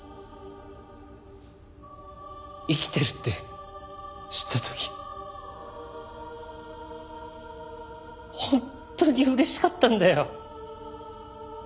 生きてるって知った時本当に嬉しかったんだよ。